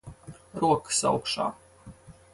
Rokas augšā.